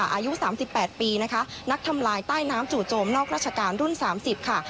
อายุ๓๘ปีนะคะนักทำลายใต้น้ำจู่โจมนอกราชการรุ่น๓๐ค่ะ